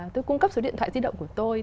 tôi cung cấp số điện thoại di động của tôi